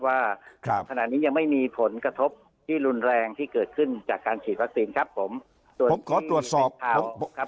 ว่าครับขณะนี้ยังไม่มีผลกระทบที่รุนแรงที่เกิดขึ้นจากการฉีดวัคซีนครับผม